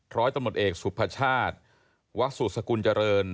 ถ้อยตรงหมดเอกสุพชาติวักสุรสกุลเจริญ